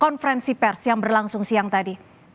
konferensi pers yang berlangsung siang tadi